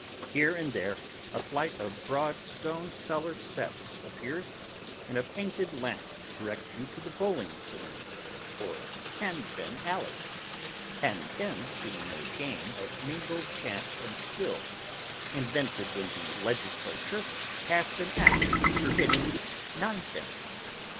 Here and there a flight of broad stone cellar steps appears, and a painted lamp directs you to the Bowling Saloon, or Ten Pin alley; Ten Pins being a game of mingled chance and skill, invented when the legislature passed an act forbidding Nine Pins.